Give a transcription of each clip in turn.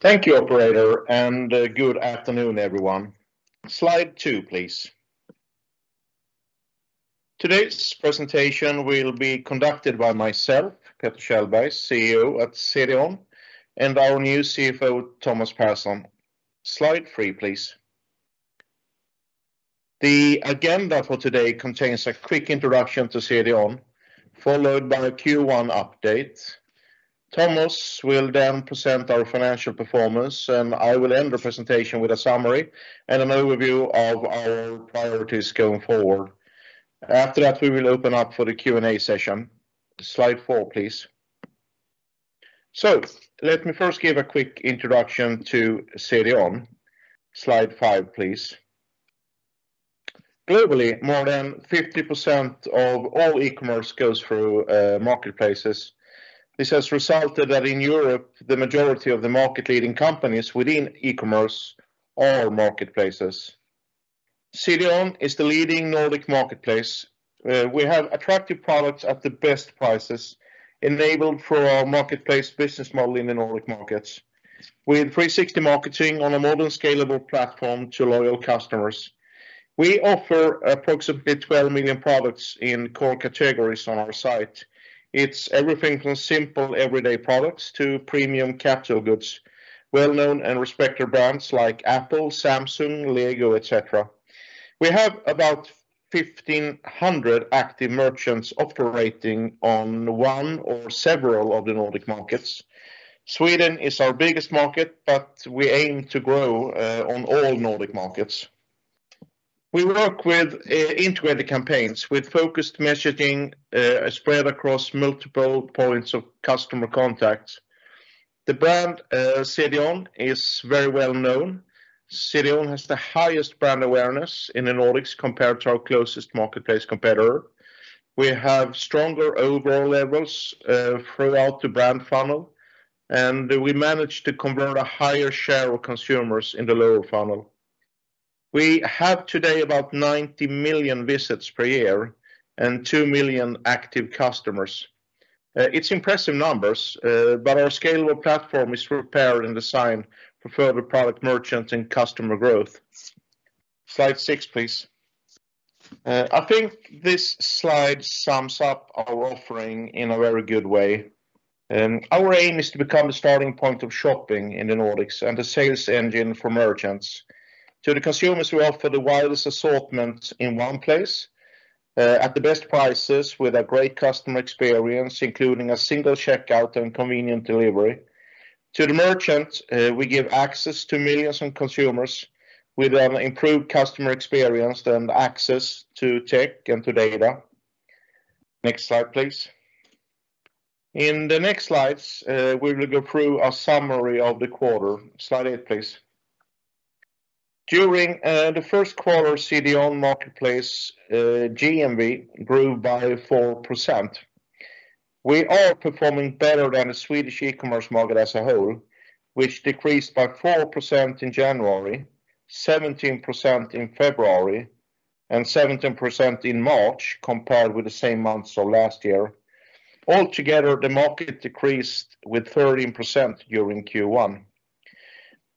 Thank you operator, and good afternoon everyone. Slide two, please. Today's presentation will be conducted by myself, Peter Kjellberg, CEO at CDON, and our new CFO, Thomas Pehrsson. Slide three, please. The agenda for today contains a quick introduction to CDON, followed by a Q1 update. Thomas will then present our financial performance, and I will end the presentation with a summary and an overview of our priorities going forward. After that, we will open up for the Q&A session. Slide four, please. Let me first give a quick introduction to CDON. Slide five, please. Globally, more than 50% of all e-commerce goes through marketplaces. This has resulted in that in Europe, the majority of the market-leading companies within e-commerce are marketplaces. CDON is the leading Nordic marketplace. We have attractive products at the best prices enabled through our marketplace business model in the Nordic markets with 360 marketing on a modern scalable platform to loyal customers. We offer approximately 12 million products in core categories on our site. It's everything from simple everyday products to premium capital goods, well-known and respected brands like Apple, Samsung, Lego, et cetera. We have about 1,500 active merchants operating on one or several of the Nordic markets. Sweden is our biggest market, but we aim to grow on all Nordic markets. We work with integrated campaigns with focused messaging spread across multiple points of customer contact. The brand CDON is very well known. CDON has the highest brand awareness in the Nordics compared to our closest marketplace competitor. We have stronger overall levels throughout the brand funnel, and we manage to convert a higher share of consumers in the lower funnel. We have today about 90 million visits per year and 2 million active customers. It's impressive numbers, but our scalable platform is prepared and designed for further product merchant and customer growth. Slide six, please. I think this slide sums up our offering in a very good way. Our aim is to become the starting point of shopping in the Nordics and the sales engine for merchants. To the consumers, we offer the widest assortment in one place at the best prices with a great customer experience, including a single checkout and convenient delivery. To the merchant, we give access to millions of consumers with an improved customer experience and access to tech and to data. Next slide, please. In the next slides, we will go through a summary of the quarter. Slide eight, please. During the first quarter CDON Marketplace GMV grew by 4%. We are performing better than the Swedish e-commerce market as a whole, which decreased by 4% in January, 17% in February, and 17% in March compared with the same months of last year. Altogether, the market decreased by 13% during Q1.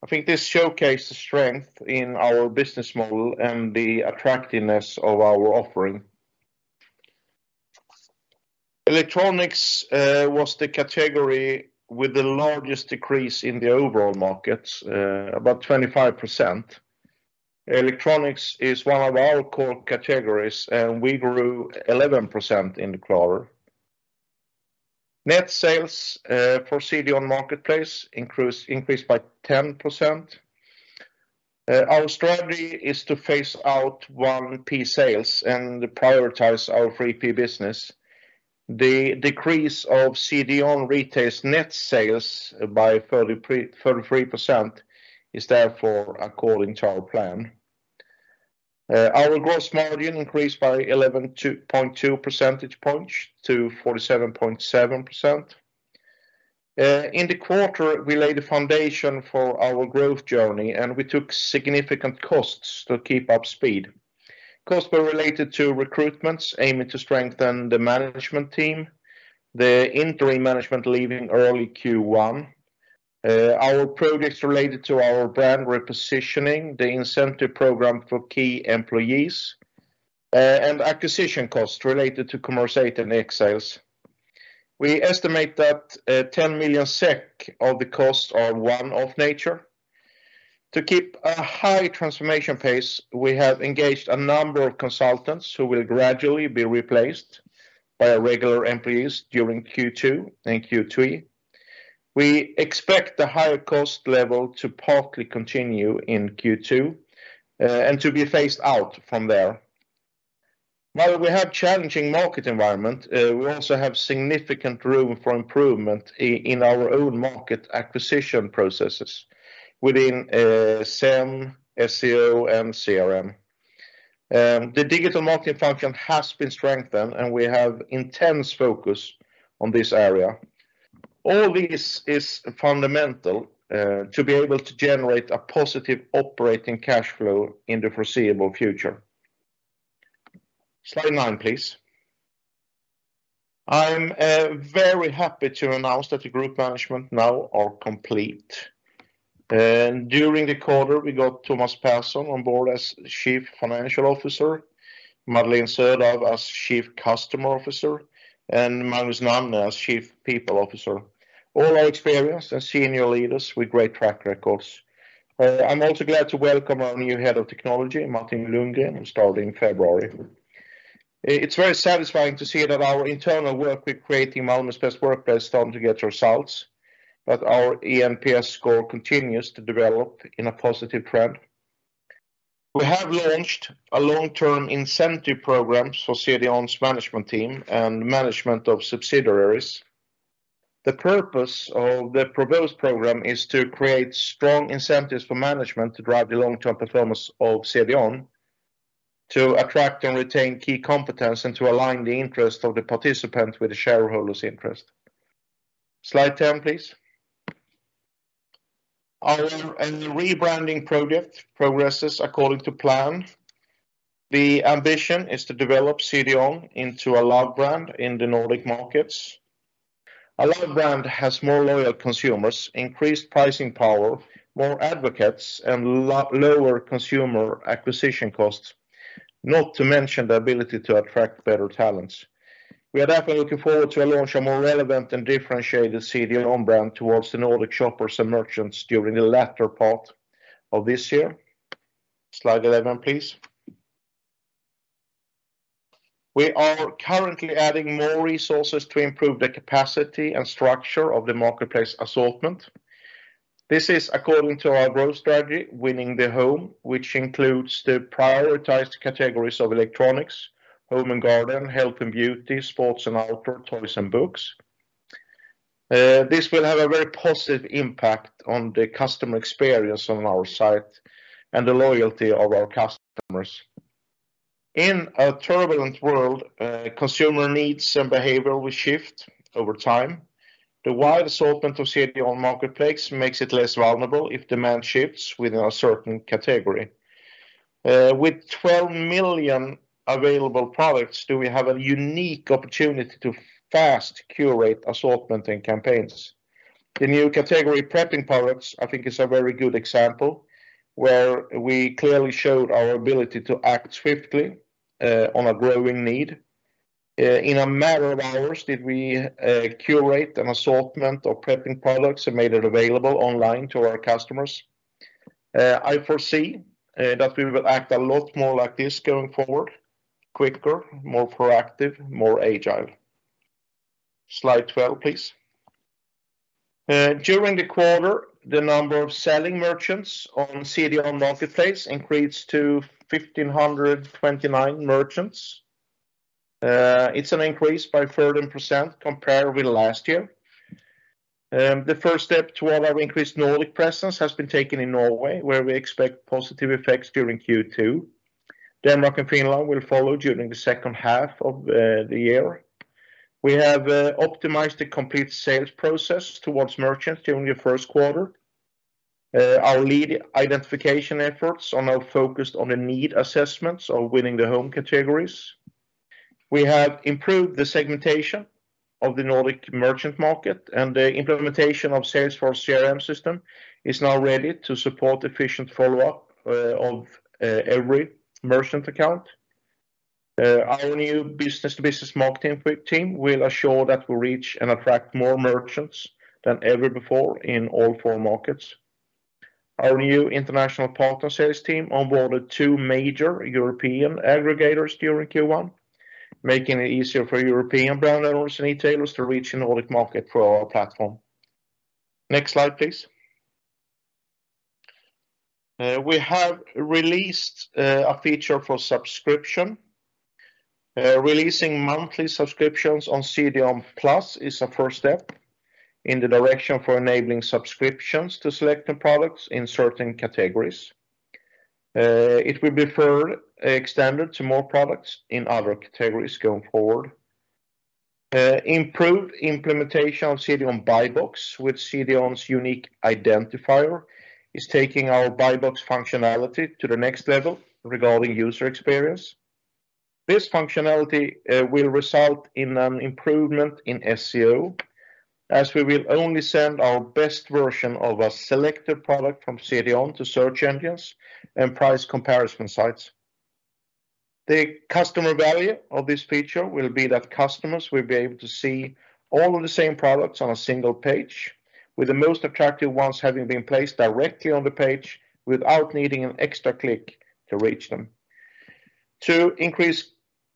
I think this showcases strength in our business model and the attractiveness of our offering. Electronics was the category with the largest decrease in the overall markets, about 25%. Electronics is one of our core categories, and we grew 11% in the quarter. Net sales for CDON Marketplace increased by 10%. Our strategy is to phase out 1P sales and prioritize our 3P business. The decrease of CDON Retail's net sales by 33% is therefore according to our plan. Our gross margin increased by 11.2 percentage points to 47.7%. In the quarter, we laid the foundation for our growth journey, and we took significant costs to keep up speed. Costs were related to recruitments aiming to strengthen the management team, the interim management leaving early Q1, our projects related to our brand repositioning, the incentive program for key employees, and acquisition costs related to Commerce 8 and Xales. We estimate that 10 million SEK of the costs are of one-off nature. To keep a high transformation pace, we have engaged a number of consultants who will gradually be replaced by our regular employees during Q2 and Q3. We expect the higher cost level to partly continue in Q2, and to be phased out from there. While we have challenging market environment, we also have significant room for improvement in our own market acquisition processes within SEM, SEO, and CRM. The digital marketing function has been strengthened, and we have intense focus on this area. All this is fundamental to be able to generate a positive operating cash flow in the foreseeable future. Slide nine, please. I'm very happy to announce that the group management now are complete. During the quarter, we got Thomas Pehrsson on board as Chief Financial Officer, Madeleine Söder as Chief Customer Officer, and Magnus Nanne as Chief People Officer. All are experienced and senior leaders with great track records. I'm also glad to welcome our new Head of Technology, Martin Lundgren, who started in February. It's very satisfying to see that our internal work with creating Malmö's best workplace starting to get results, that our ENPS score continues to develop in a positive trend. We have launched a long-term incentive program for CDON's management team and management of subsidiaries. The purpose of the proposed program is to create strong incentives for management to drive the long-term performance of CDON, to attract and retain key competence, and to align the interest of the participant with the shareholders' interest. Slide 10, please. Our rebranding project progresses according to plan. The ambition is to develop CDON into a loved brand in the Nordic markets. A loved brand has more loyal consumers, increased pricing power, more advocates, and lower consumer acquisition costs, not to mention the ability to attract better talents. We are definitely looking forward to launch a more relevant and differentiated CDON brand towards the Nordic shoppers and merchants during the latter part of this year. Slide 11, please. We are currently adding more resources to improve the capacity and structure of the marketplace assortment. This is according to our growth strategy, winning the home, which includes the prioritized categories of electronics, home and garden, health and beauty, sports and outdoor, toys and books. This will have a very positive impact on the customer experience on our site and the loyalty of our customers. In a turbulent world, consumer needs and behavior will shift over time. The wide assortment of CDON Marketplace makes it less vulnerable if demand shifts within a certain category. With 12 million available products we do have a unique opportunity to fast curate assortment and campaigns. The new category prepping products, I think, is a very good example, where we clearly showed our ability to act swiftly on a growing need. In a matter of hours did we curate an assortment of prepping products and made it available online to our customers. I foresee that we will act a lot more like this going forward, quicker, more proactive, more agile. Slide 12, please. During the quarter, the number of selling merchants on CDON Marketplace increased to 1,529 merchants. It's an increase by 13% compared with last year. The first step toward our increased Nordic presence has been taken in Norway, where we expect positive effects during Q2. Denmark and Finland will follow during the second half of the year. We have optimized the complete sales process towards merchants during the first quarter. Our lead identification efforts are now focused on the need assessments of winning the home categories. We have improved the segmentation of the Nordic merchant market, and the implementation of sales for CRM system is now ready to support efficient follow-up of every merchant account. Our new business-to-business marketing team will ensure that we reach and attract more merchants than ever before in all four markets. Our new international partner sales team onboarded two major European aggregators during Q1, making it easier for European brand owners and retailers to reach the Nordic market through our platform. Next slide, please. We have released a feature for subscription. Releasing monthly subscriptions on CDON+ is a first step in the direction for enabling subscriptions to selected products in certain categories. It will be further extended to more products in other categories going forward. Improved implementation of CDON Buy Box with CDON's unique identifier is taking our Buy Box functionality to the next level regarding user experience. This functionality will result in an improvement in SEO, as we will only send our best version of a selected product from CDON to search engines and price comparison sites. The customer value of this feature will be that customers will be able to see all of the same products on a single page, with the most attractive ones having been placed directly on the page without needing an extra click to reach them. To increase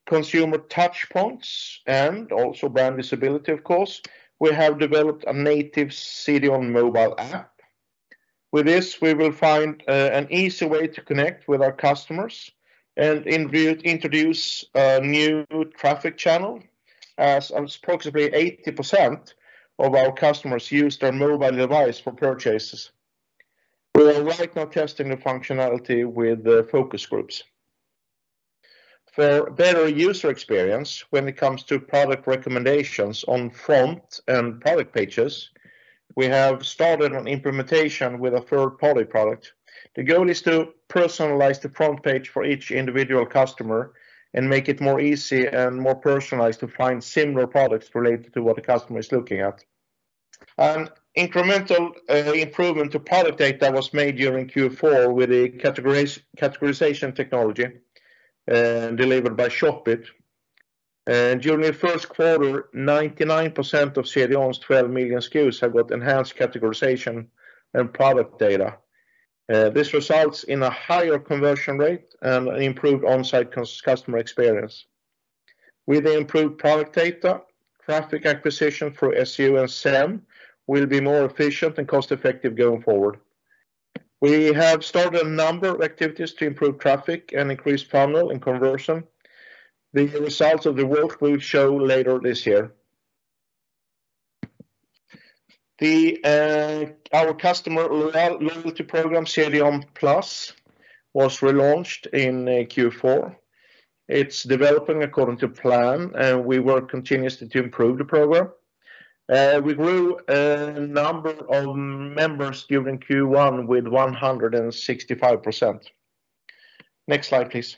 consumer touch points and also brand visibility, of course, we have developed a native CDON mobile app. With this, we will find an easy way to connect with our customers and introduce a new traffic channel as approximately 80% of our customers use their mobile device for purchases. We are right now testing the functionality with the focus groups. For better user experience when it comes to product recommendations on front and product pages, we have started an implementation with a third-party product. The goal is to personalize the front page for each individual customer and make it more easy and more personalized to find similar products related to what the customer is looking at. An incremental improvement to product data was made during Q4 with a categorization technology delivered by Shopit. During the first quarter, 99% of CDON's 12 million SKUs have got enhanced categorization and product data. This results in a higher conversion rate and an improved on-site customer experience. With the improved product data, traffic acquisition through SEO and SEM will be more efficient and cost-effective going forward. We have started a number of activities to improve traffic and increase funnel and conversion. The results of the work will show later this year. Our customer loyalty program, CDON+, was relaunched in Q4. It's developing according to plan, and we work continuously to improve the program. We grew the number of members during Q1 by 165%. Next slide, please.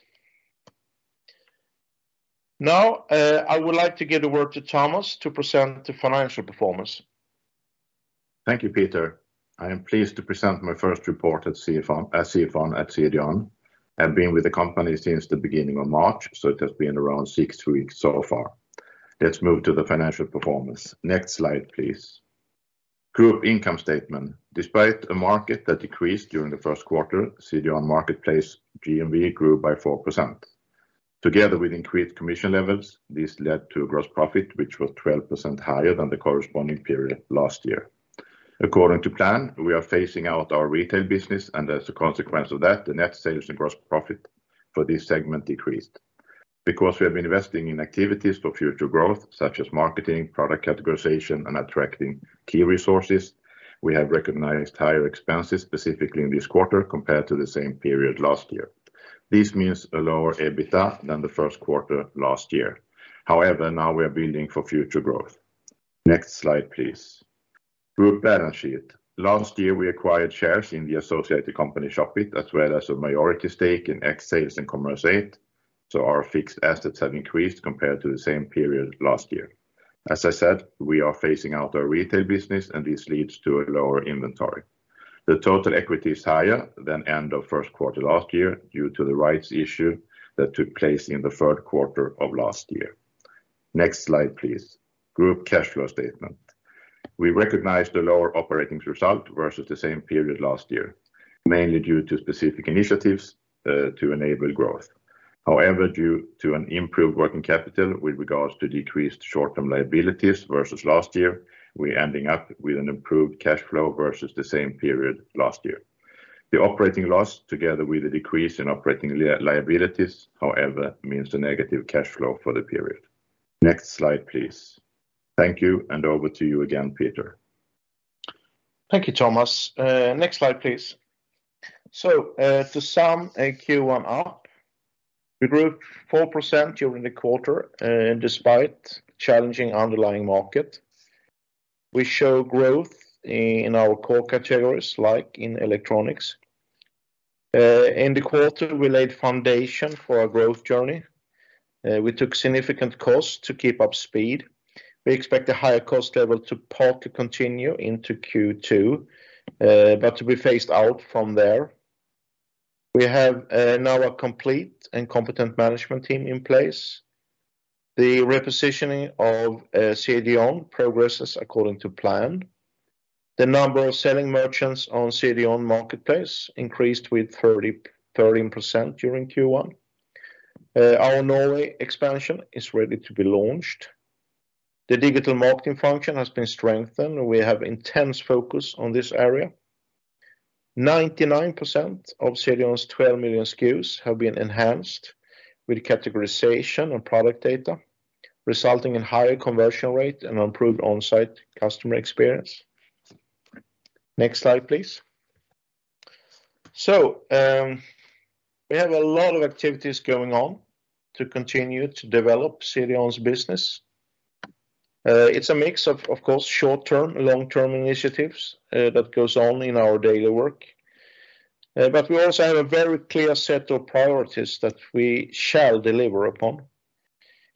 Now, I would like to give the word to Thomas to present the financial performance. Thank you, Peter. I am pleased to present my first report as CFO at CDON. I've been with the company since the beginning of March, so it has been around six weeks so far. Let's move to the financial performance. Next slide, please. Group income statement. Despite a market that decreased during the first quarter, CDON Marketplace GMV grew by 4%. Together with increased commission levels, this led to gross profit, which was 12% higher than the corresponding period last year. According to plan, we are phasing out our retail business, and as a consequence of that, the net sales and gross profit for this segment decreased. Because we have been investing in activities for future growth, such as marketing, product categorization, and attracting key resources, we have recognized higher expenses, specifically in this quarter, compared to the same period last year. This means a lower EBITDA than the first quarter last year. However, now we are building for future growth. Next slide, please. Group balance sheet. Last year, we acquired shares in the associated company Shopit, as well as a majority stake in Xales and Commerce 8. Our fixed assets have increased compared to the same period last year. As I said, we are phasing out our retail business, and this leads to a lower inventory. The total equity is higher than end of first quarter last year due to the rights issue that took place in the third quarter of last year. Next slide, please. Group cash flow statement. We recognize the lower operating result versus the same period last year, mainly due to specific initiatives to enable growth. However, due to an improved working capital with regards to decreased short-term liabilities versus last year, we're ending up with an improved cash flow versus the same period last year. The operating loss together with a decrease in operating liabilities, however, means the negative cash flow for the period. Next slide, please. Thank you, and over to you again, Peter. Thank you, Thomas. Next slide, please. To sum a Q1 up, we grew 4% during the quarter, despite challenging underlying market. We show growth in our core categories, like in electronics. In the quarter, we laid foundation for our growth journey. We took significant costs to keep up speed. We expect a higher cost level to partly continue into Q2, but to be phased out from there. We have now a complete and competent management team in place. The repositioning of CDON progresses according to plan. The number of selling merchants on CDON Marketplace increased with 13% during Q1. Our Norway expansion is ready to be launched. The digital marketing function has been strengthened, and we have intense focus on this area. 99% of CDON's 12 million SKUs have been enhanced with categorization and product data, resulting in higher conversion rate and improved on-site customer experience. Next slide, please. We have a lot of activities going on to continue to develop CDON's business. It's a mix of course, short-term, long-term initiatives, that goes on in our daily work. But we also have a very clear set of priorities that we shall deliver upon.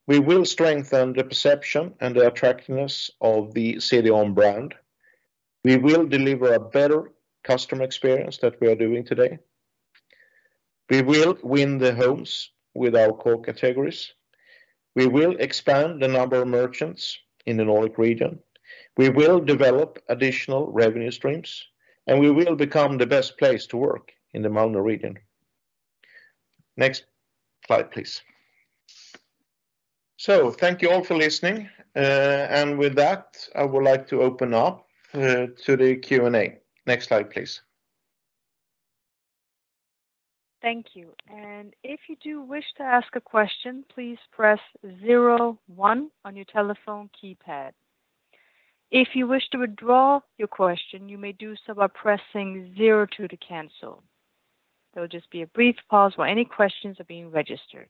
We will strengthen the perception and the attractiveness of the CDON brand. We will deliver a better customer experience that we are doing today. We will win the homes with our core categories. We will expand the number of merchants in the Nordic region. We will develop additional revenue streams, and we will become the best place to work in the Malmö region. Next slide, please. Thank you all for listening. With that, I would like to open up to the Q&A. Next slide, please. Thank you. And if you do wish to ask a question, please press zero one on your telephone keypad. If you wish to withdraw your question, you may do so by pressing zero two to cancel. There will just be a brief pause while any questions are being registered.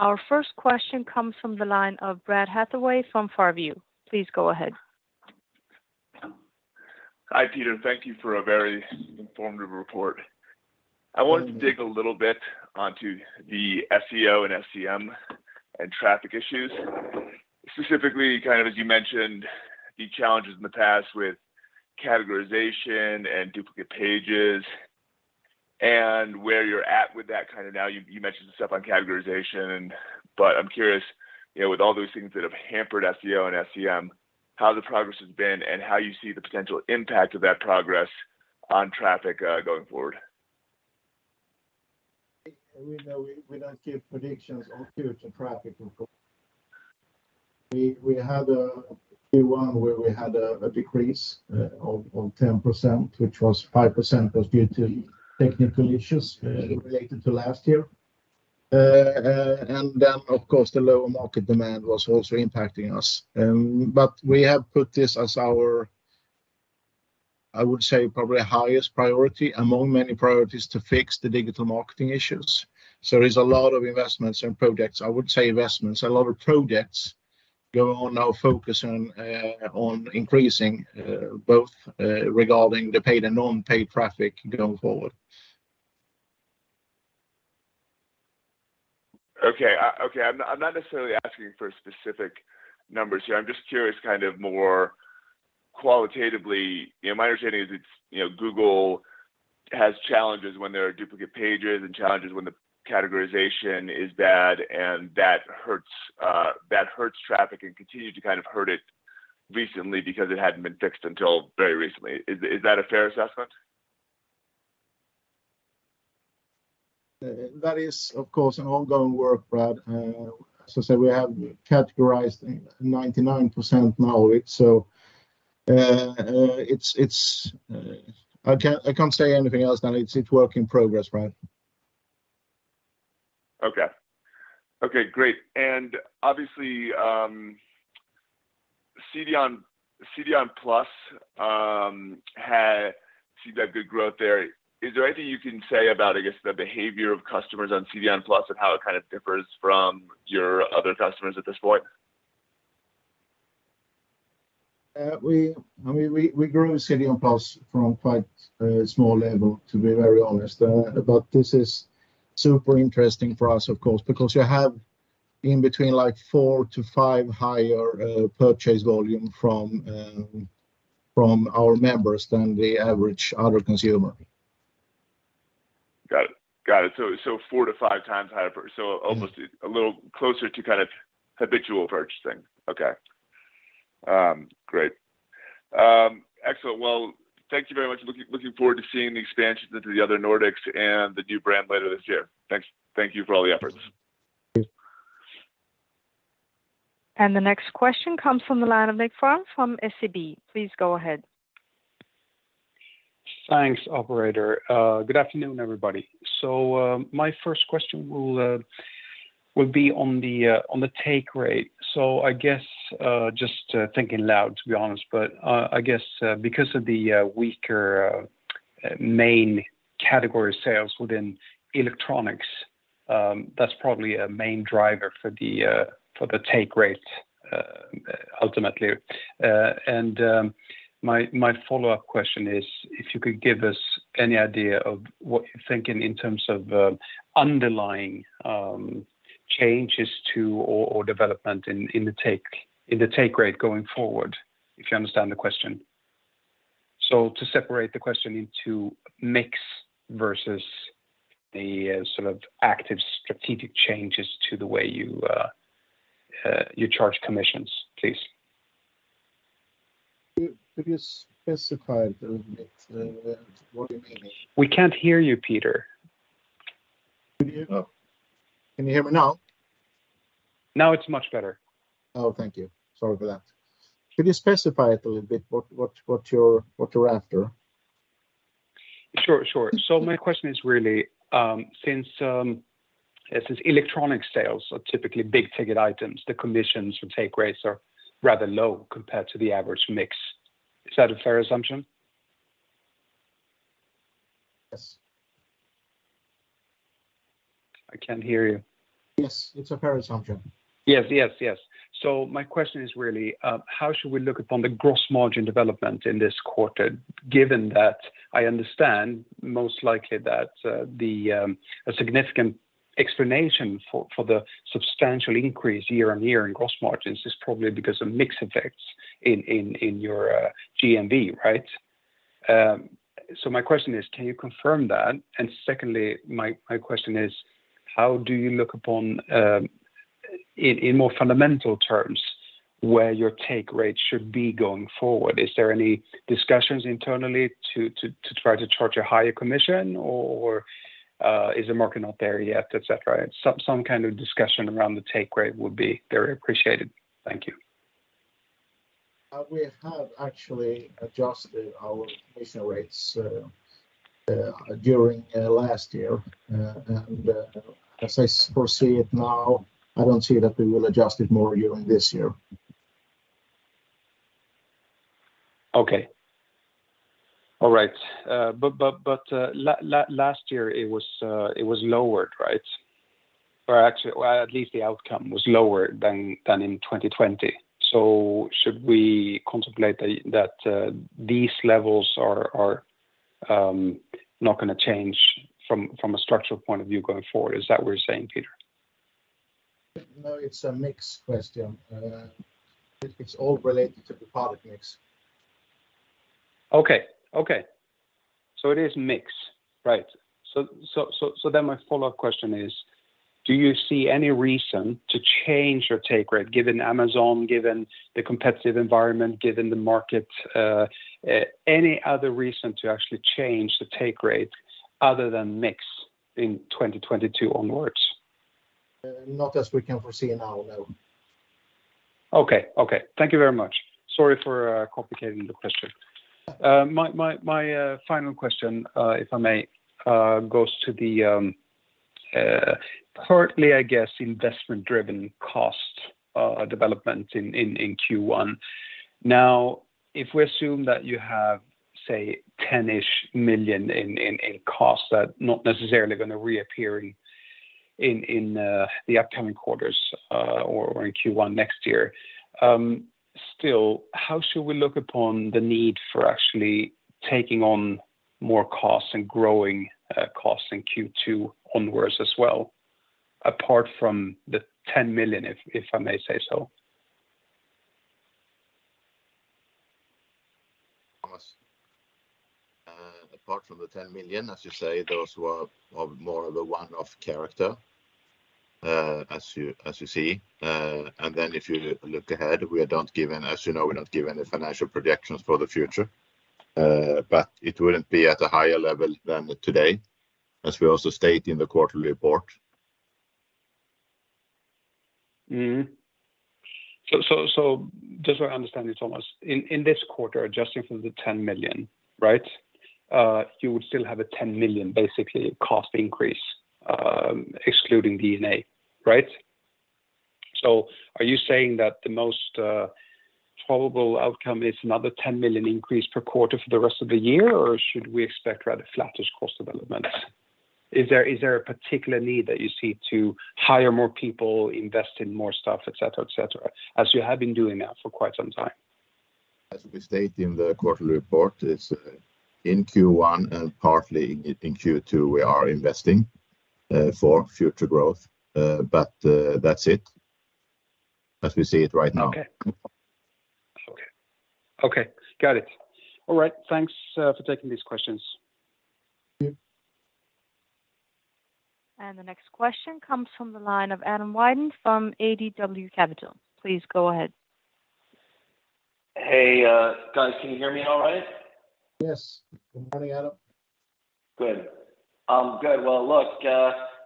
Our first question comes from the line of Brad Hathaway from Far View. Please go ahead. Hi, Peter. Thank you for a very informative report. I wanted to dig a little bit into the SEO and SEM and traffic issues. Specifically, kind of as you mentioned, the challenges in the past with categorization and duplicate pages and where you're at with that kind of now. You mentioned the stuff on categorization, but I'm curious, you know, with all those things that have hampered SEO and SEM, how the progress has been and how you see the potential impact of that progress on traffic, going forward. We know we don't give predictions on future traffic reports. We had a Q1 where we had a decrease of 10%, which was 5% due to technical issues related to last year. Then, of course, the lower market demand was also impacting us. We have put this as our, I would say, probably highest priority among many priorities to fix the digital marketing issues. There's a lot of investments and projects going on now, focusing on increasing both the paid and non-paid traffic going forward. Okay. I'm not necessarily asking for specific numbers here. I'm just curious, kind of more qualitatively. You know, my understanding is it's, you know, Google has challenges when there are duplicate pages and challenges when the categorization is bad, and that hurts traffic and continued to kind of hurt it recently because it hadn't been fixed until very recently. Is that a fair assessment? That is, of course, an ongoing work, Brad. As I said, we have categorized 99% now, so I can't say anything else than it's work in progress, Brad. Okay, great. Obviously, CDON+ seems to have good growth there. Is there anything you can say about, I guess, the behavior of customers on CDON+ and how it kind of differs from your other customers at this point? I mean, we grew CDON+ from quite a small level, to be very honest. This is super interesting for us, of course, because you have in between, like, four to five times higher purchase volume from our members than the average other consumer. Got it. Four to five times higher pur- Mm-hmm. Almost a little closer to kind of habitual purchasing. Okay. Great. Excellent. Well, thank you very much. Looking forward to seeing the expansions into the other Nordics and the new brand later this year. Thanks. Thank you for all the efforts. Thank you. The next question comes from the line of Niclas Szieger from SEB. Please go ahead. Thanks, operator. Good afternoon, everybody. My first question will be on the take rate. I guess, just thinking out loud, to be honest, but I guess, because of the weaker main category sales within electronics, that's probably a main driver for the take rate, ultimately. My follow-up question is if you could give us any idea of what you're thinking in terms of underlying changes to or development in the take rate going forward, if you understand the question. To separate the question into mix versus the sort of active strategic changes to the way you charge commissions, please. Could you specify it a little bit, what you mean? We can't hear you, Peter. Can you hear me now? Now it's much better. Oh, thank you. Sorry for that. Could you specify it a little bit what you're after? Sure, sure. My question is really, since electronics sales are typically big-ticket items, the commissions or take rates are rather low compared to the average mix. Is that a fair assumption? Yes. I can't hear you. Yes, it's a fair assumption. Yes, yes. My question is really, how should we look upon the gross margin development in this quarter, given that I understand most likely that, a significant explanation for the substantial increase year-on-year in gross margins is probably because of mix effects in your GMV, right? My question is, can you confirm that? Secondly, my question is how do you look upon, in more fundamental terms, where your take rate should be going forward? Is there any discussions internally to try to charge a higher commission, or, is the market not there yet, et cetera? Some kind of discussion around the take rate would be very appreciated. Thank you. We have actually adjusted our commission rates during last year. As I foresee it now, I don't see that we will adjust it more during this year. Okay. All right. Last year it was lowered, right? Or actually, well, at least the outcome was lower than in 2020. Should we contemplate that these levels are not gonna change from a structural point of view going forward? Is that what you're saying, Peter? No, it's a mix question. It's all related to the product mix. It is mix, right. Then my follow-up question is, do you see any reason to change your take rate given Amazon, given the competitive environment, given the market, any other reason to actually change the take rate other than mix in 2022 onwards? Not as we can foresee now, no. Okay. Okay. Thank you very much. Sorry for complicating the question. My final question, if I may, goes to the partly, I guess, investment driven cost development in Q1. Now, if we assume that you have, say, 10-ish million in costs that not necessarily gonna reappear in the upcoming quarters, or in Q1 next year, still, how should we look upon the need for actually taking on more costs and growing costs in Q2 onwards as well, apart from the 10 million if I may say so? Thomas. Apart from the 10 million, as you say, those were more of a one-off character, as you see. If you look ahead, we are not giving, as you know, we're not giving the financial projections for the future. It wouldn't be at a higher level than today, as we also state in the quarterly report. Mm-hmm. Just so I understand this, Thomas. In this quarter, adjusting for the 10 million, right, you would still have a 10 million basically cost increase, excluding D&A, right? Are you saying that the most probable outcome is another 10 million increase per quarter for the rest of the year, or should we expect rather flattish cost development? Is there a particular need that you see to hire more people, invest in more stuff, et cetera, as you have been doing now for quite some time? As we state in the quarterly report, it's in Q1 and partly in Q2, we are investing for future growth. That's it as we see it right now. Okay. Got it. All right. Thanks for taking these questions. Mm-hmm. The next question comes from the line of Adam Wyden from ADW Capital. Please go ahead. Hey, guys, can you hear me all right? Yes. Good morning, Adam. Good. Well, look,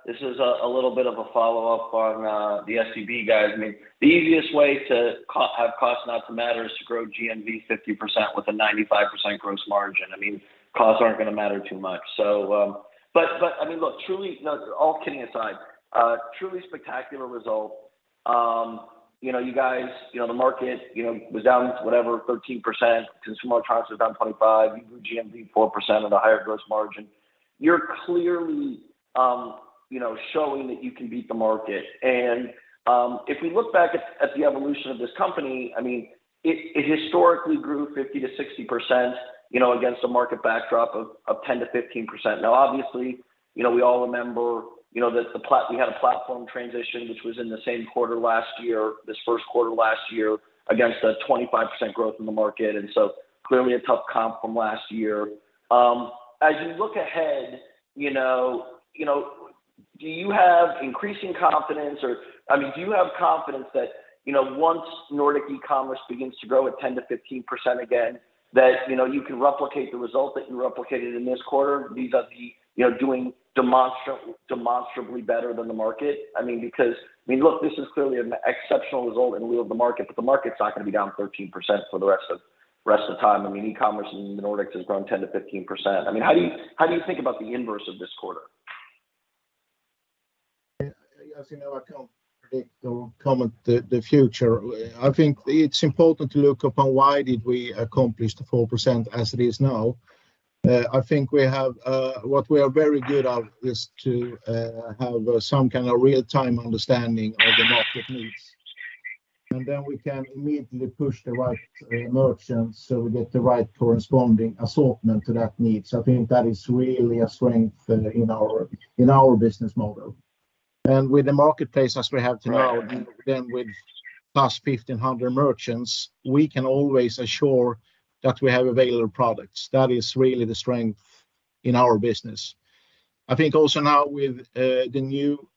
this is a little bit of a follow-up on the SEB guys. I mean, the easiest way to have costs not to matter is to grow GMV 50% with a 95% gross margin. I mean, costs aren't gonna matter too much. I mean, look, truly, no, all kidding aside, truly spectacular result. You know, you guys, you know, the market, you know, was down whatever 13%, consumer trends was down 25%, you grew GMV 4% on the higher gross margin. You're clearly, you know, showing that you can beat the market. If we look back at the evolution of this company, I mean, it historically grew 50%-60%, you know, against a market backdrop of 10%-15%. Now, obviously, you know, we all remember, you know, that we had a platform transition, which was in the same quarter last year, this first quarter last year, against a 25% growth in the market, and so clearly a tough comp from last year. As you look ahead, you know, do you have increasing confidence or, I mean, do you have confidence that, you know, once Nordic e-commerce begins to grow at 10%-15% again, that, you know, you can replicate the result that you replicated in this quarter vis-a-vis, you know, doing demonstrably better than the market? I mean, because, look, this is clearly an exceptional result in lieu of the market, but the market's not gonna be down 13% for the rest of the time. I mean, e-commerce in the Nordics has grown 10%-15%. I mean, how do you think about the inverse of this quarter? As you know, I can't predict or comment on the future. I think it's important to look upon why did we accomplish the 4% as it is now. I think what we are very good at is to have some kind of real-time understanding of the market needs. Then we can immediately push the right merchants so we get the right corresponding assortment to that need. I think that is really a strength in our business model. With the marketplace as we have today- Right. With +1,500 merchants, we can always assure that we have available products. That is really the strength in our business. I think also now with the new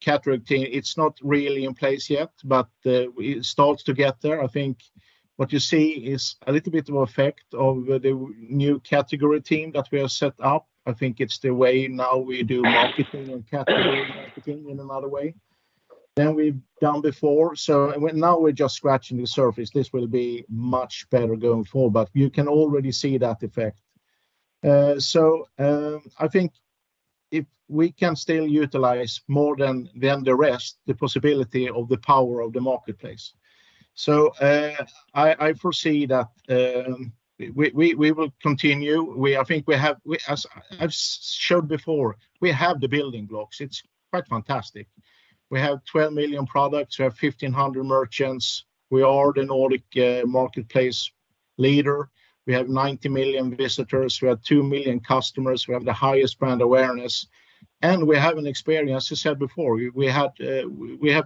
category team, it's not really in place yet, but we start to get there. I think what you see is a little bit of effect of the new category team that we have set up. I think it's the way now we do marketing and category marketing in another way than we've done before. Now we're just scratching the surface. This will be much better going forward. But you can already see that effect. I think if we can still utilize more than the rest, the possibility of the power of the marketplace. I foresee that we will continue. I think we have... As shown before, we have the building blocks. It's quite fantastic. We have 12 million products. We have 1,500 merchants. We are the Nordic marketplace leader. We have 90 million visitors. We have 2 million customers. We have the highest brand awareness, and we have an experience. As I said before, we have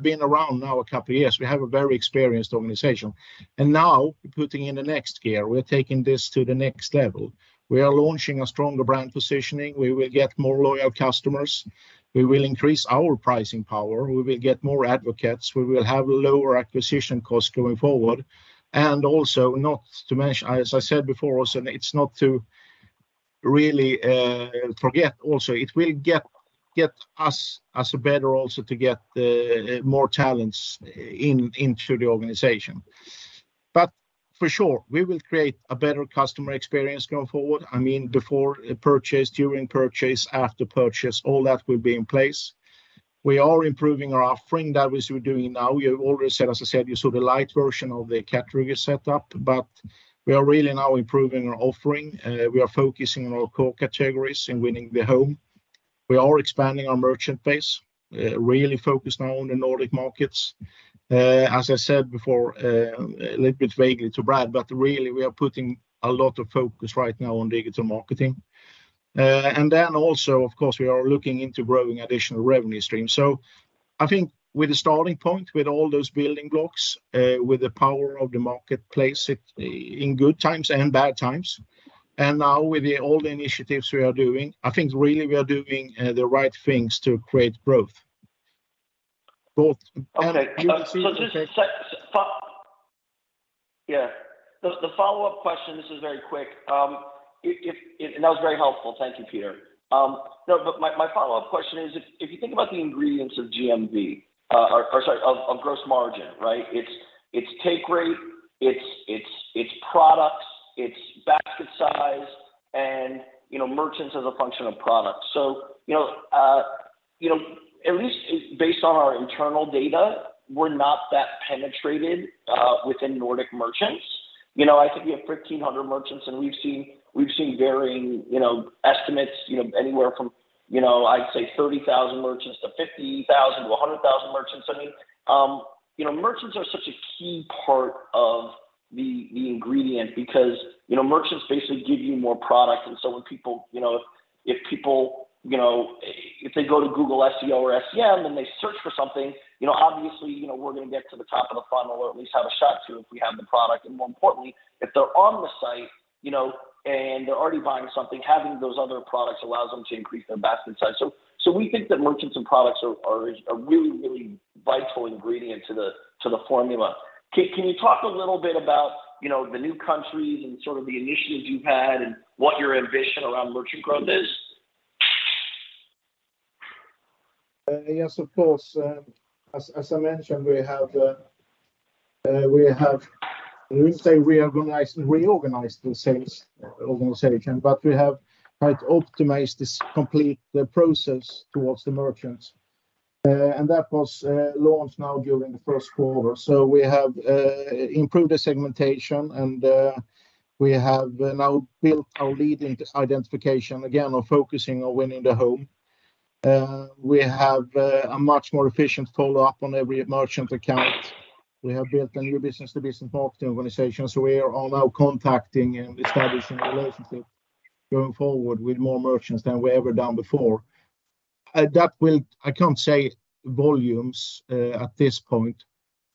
been around now a couple of years. We have a very experienced organization. Now we're putting in the next gear. We're taking this to the next level. We are launching a stronger brand positioning. We will get more loyal customers. We will increase our pricing power. We will get more advocates. We will have lower acquisition costs going forward. Also, not to mention, as I said before, it will get us better to get more talents into the organization. For sure, we will create a better customer experience going forward. I mean, before purchase, during purchase, after purchase, all that will be in place. We are improving our offering. That is, we're doing now. We have already said, as I said, you saw the light version of the category setup, but we are really now improving our offering. We are focusing on our core categories in winning the home. We are expanding our merchant base, really focused now on the Nordic markets. As I said before, a little bit vaguely to Brad, but really we are putting a lot of focus right now on digital marketing. Of course, we are looking into growing additional revenue streams. I think with the starting point, with all those building blocks, with the power of the marketplace in good times and bad times, and now with all the initiatives we are doing, I think really we are doing the right things to create growth. Both- Okay. You will see the take- So far, yeah. The follow-up question, this is very quick. That was very helpful. Thank you, Peter. No, but my follow-up question is if you think about the ingredients of GMV, or sorry, of gross margin, right? It's take rate, it's products, it's basket size, and you know, merchants as a function of product. You know, at least based on our internal data, we're not that penetrated within Nordic merchants. You know, I think we have 1,500 merchants, and we've seen varying, you know, estimates, you know, anywhere from, you know, I'd say 30,000 merchants to 50,000 to 100,000 merchants. I mean, you know, merchants are such a key part of the ingredient because, you know, merchants basically give you more product. When people, you know, if people, you know, if they go to Google SEO or SEM, and they search for something, you know, obviously, you know, we're gonna get to the top of the funnel or at least have a shot to if we have the product. More importantly, if they're on the site, you know, and they're already buying something, having those other products allows them to increase their basket size. We think that merchants and products are really vital ingredient to the formula. Can you talk a little bit about, you know, the new countries and sort of the initiatives you've had and what your ambition around merchant growth is? Yes, of course. As I mentioned, we have, I wouldn't say reorganized the sales organization, but we have quite optimized the complete process towards the merchants. That was launched now during the first quarter. We have improved the segmentation, and we have now built our lead identification, again, on focusing on winning the home. We have a much more efficient follow-up on every merchant account. We have built a new business-to-business marketing organization, we are all now contacting and establishing a relationship going forward with more merchants than we've ever done before. That will. I can't say volumes at this point.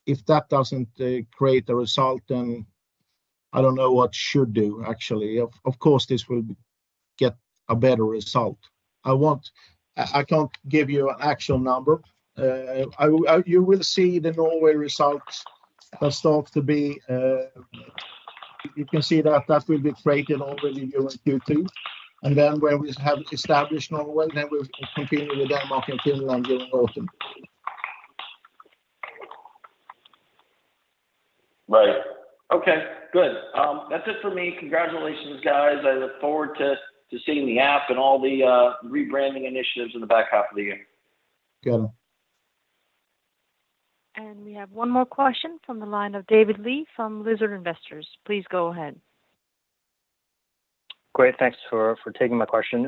If that doesn't create a result, then I don't know what to do actually. Of course, this will get a better result. I can't give you an actual number. You will see the Norway results start to be created already during Q2. When we have established Norway, we'll continue with Denmark and Finland during autumn. Right. Okay, good. That's it for me. Congratulations, guys. I look forward to seeing the app and all the rebranding initiatives in the back half of the year. Got it. We have one more question from the line of David Lee from Lizard Investors. Please go ahead. Great. Thanks for taking my question.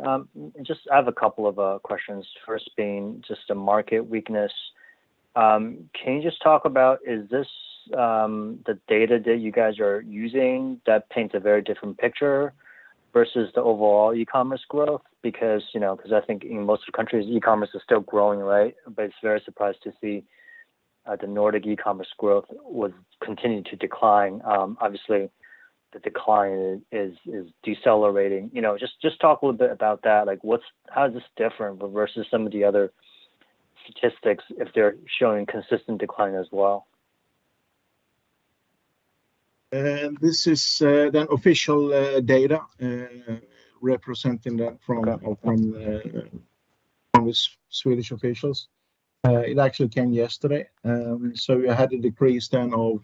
Just I have a couple of questions, first being just the market weakness. Can you just talk about is this the data that you guys are using that paints a very different picture versus the overall e-commerce growth? Because, you know, because I think in most countries, e-commerce is still growing, right? But it's very surprised to see the Nordic e-commerce growth was continuing to decline. Obviously, the decline is decelerating. You know, just talk a little bit about that. Like, how is this different versus some of the other statistics if they're showing consistent decline as well? This is the official data representing that from the Swedish officials. It actually came yesterday. We had a decrease then of,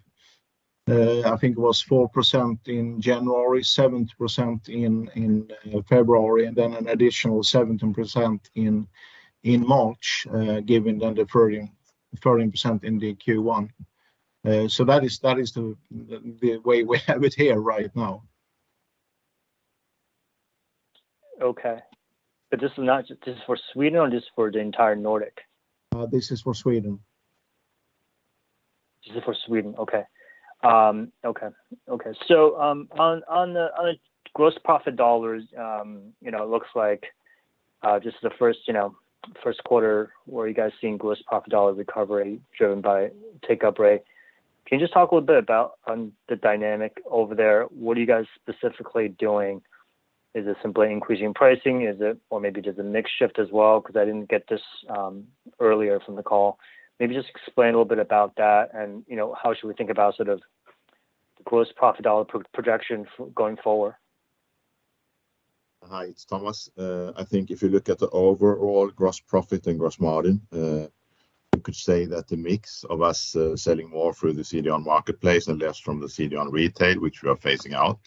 I think it was 4% in January, 7% in February, and then an additional 17% in March, given the 13% in Q1. That is the way we have it here right now. Okay. This is for Sweden or this is for the entire Nordic? This is for Sweden. This is for Sweden. Okay. On the gross profit dollars, you know, it looks like just the first quarter where you guys are seeing gross profit dollar recovery driven by take rate. Can you just talk a little bit about the dynamic over there? What are you guys specifically doing? Is it simply increasing pricing? Is it or maybe just a mix shift as well? 'Cause I didn't get this earlier from the call. Maybe just explain a little bit about that and, you know, how should we think about sort of the gross profit dollar projection going forward. Hi, it's Thomas. I think if you look at the overall gross profit and gross margin, you could say that the mix of us selling more through the CDON Marketplace and less from the CDON Retail, which we are phasing out,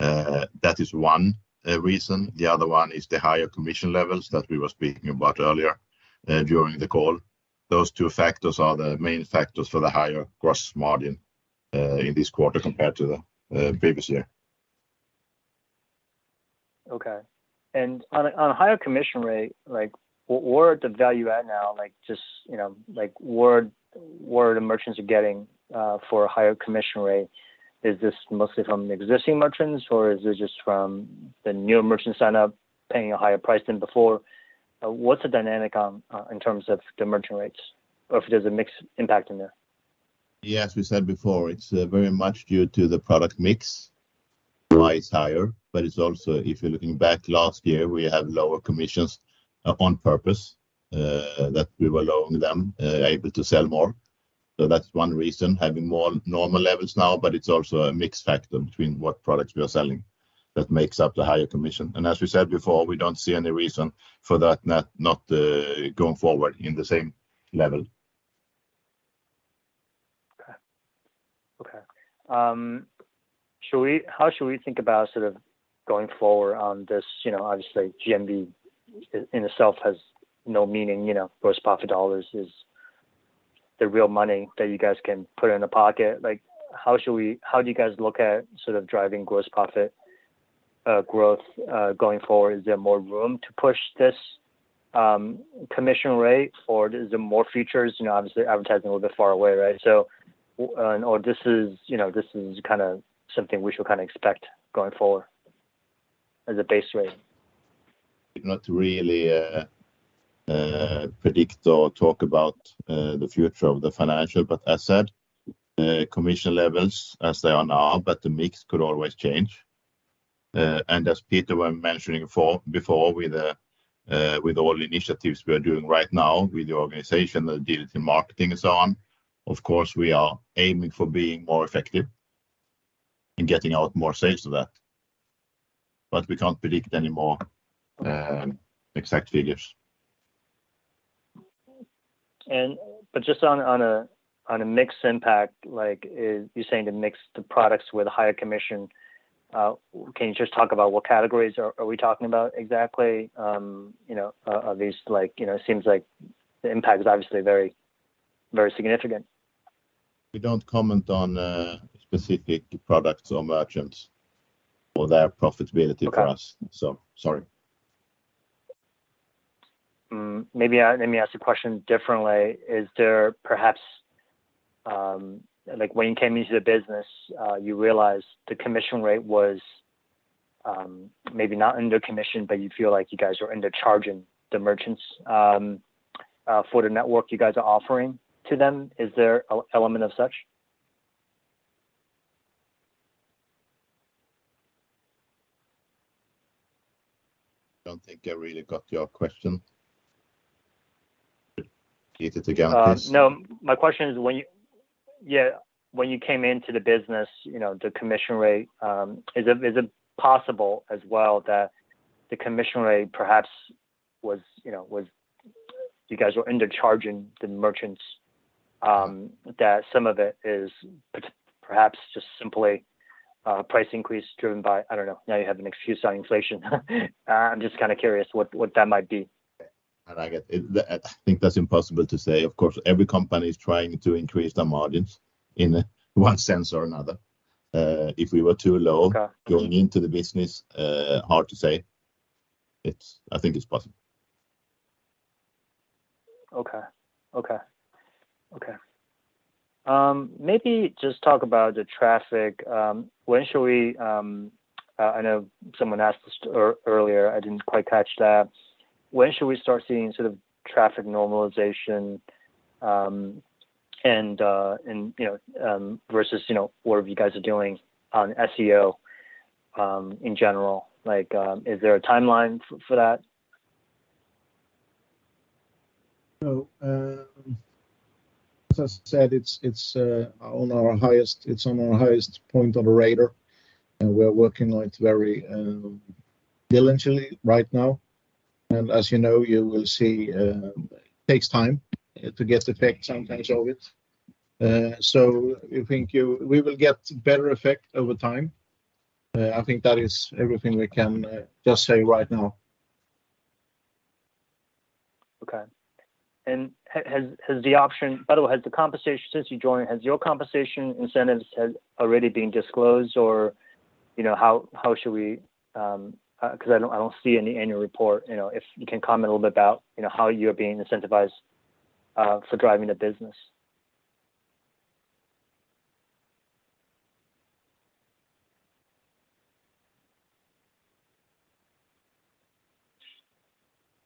that is one reason. The other one is the higher commission levels that we were speaking about earlier during the call. Those two factors are the main factors for the higher gross margin in this quarter compared to the previous year. Okay. On a higher commission rate, like where is the value at now? Like just, you know, like where the merchants are getting for a higher commission rate. Is this mostly from the existing merchants, or is it just from the new merchant sign up paying a higher price than before? What's the dynamic in terms of the merchant rates, or if there's a mix impact in there? Yeah, as we said before, it's very much due to the product mix price higher, but it's also if you're looking back last year, we have lower commissions on purpose that we were allowing them able to sell more. That's one reason, having more normal levels now, but it's also a mix factor between what products we are selling that makes up the higher commission. As we said before, we don't see any reason for that not going forward in the same level. How should we think about sort of going forward on this? You know, obviously, GMV in itself has no meaning, you know, gross profit dollars is the real money that you guys can put in the pocket. Like, how do you guys look at sort of driving gross profit, growth, going forward? Is there more room to push this, commission rate, or is there more features? You know, obviously, advertising a little bit far away, right? Or this is, you know, this is kinda something we should kinda expect going forward as a base rate. Not really predict or talk about the future of the financials, but as said, commission levels as they are now, but the mix could always change. As Peter were mentioning before with all the initiatives we are doing right now with the organization, the digital marketing and so on, of course, we are aiming for being more effective and getting out more sales to that, but we can't predict any more exact figures. Just on a mix impact, like, you're saying the mix, the products with a higher commission, can you just talk about what categories are we talking about exactly? You know, are these like, you know, it seems like the impact is obviously very, very significant. We don't comment on specific products or merchants or their profitability for us- Okay. Sorry. Maybe. Let me ask the question differently. Is there perhaps, like when you came into the business, you realized the commission rate was, maybe not under commission, but you feel like you guys were undercharging the merchants, for the network you guys are offering to them. Is there element of such? Don't think I really got your question. Peter, take on this. No. My question is when you came into the business, you know, the commission rate, is it possible as well that the commission rate perhaps was, you know, you guys were undercharging the merchants, that some of it is perhaps just simply a price increase driven by, I don't know, now you have an excuse on inflation. I'm just kinda curious what that might be. I think that's impossible to say. Of course, every company is trying to increase their margins in one sense or another. If we were too low- Okay. Going into the business, hard to say. I think it's possible. Okay. Maybe just talk about the traffic. I know someone asked this earlier, I didn't quite catch that. When should we start seeing sort of traffic normalization, and, you know, versus, you know, whatever you guys are doing on SEO, in general? Like, is there a timeline for that? No, as I said, it's on our highest point of the radar, and we're working on it very diligently right now. As you know, you will see, it takes time to get effect sometimes of it. We think we will get better effect over time. I think that is everything we can just say right now. Okay. By the way, has the compensation since you joined—your compensation incentives—already been disclosed? Or, you know, how should we... 'cause I don't see any annual report. You know, if you can comment a little bit about, you know, how you're being incentivized for driving the business.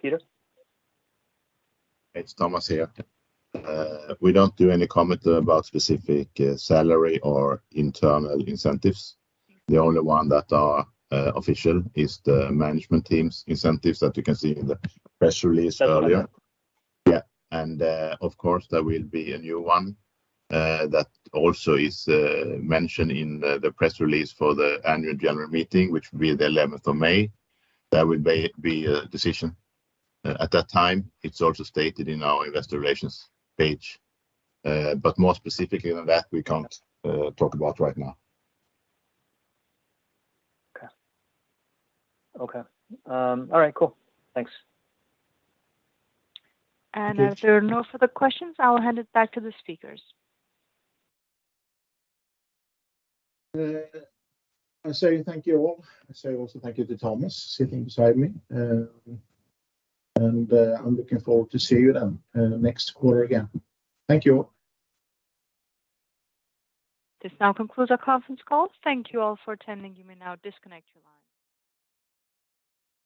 Peter? It's Thomas here. We don't do any comment about specific salary or internal incentives. The only one that are official is the management team's incentives that you can see in the press release earlier. That one, yeah. Yeah. Of course, there will be a new one that also is mentioned in the press release for the annual general meeting, which will be the May 11. There will be a decision at that time. It's also stated in our investor relations page. More specifically than that, we can't talk about right now. Okay. All right, cool. Thanks. As there are no further questions, I will hand it back to the speakers. I say thank you all. I say also thank you to Thomas sitting beside me. I'm looking forward to see you then next quarter again. Thank you. This now concludes our conference call. Thank you all for attending. You may now disconnect your line.